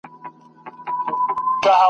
د طلا به دوه خورجینه درکړم تاته ..